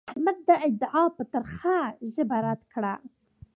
احمد دا ادعا په ترخه ژبه رد کړه.